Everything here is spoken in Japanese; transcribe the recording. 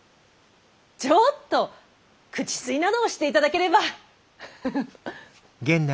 ちょっと口吸いなどをして頂ければ。